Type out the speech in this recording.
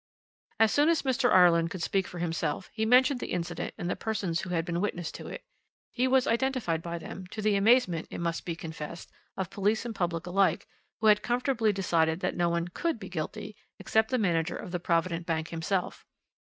"As soon as Mr. Ireland could speak for himself he mentioned the incident and the persons who had been witness to it. He was identified by them, to the amazement, it must be confessed, of police and public alike, who had comfortably decided that no one could be guilty save the manager of the Provident Bank himself.